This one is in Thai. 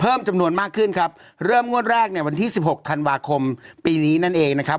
เพิ่มจำนวนมากขึ้นครับเริ่มงวดแรกในวันที่สิบหกธันวาคมปีนี้นั่นเองนะครับ